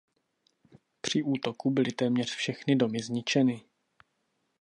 Při útoku byly téměř všechny domy zničeny.